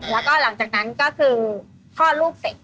แล้วก็หลังจากนั้นก็คือคลอดลูกเสร็จ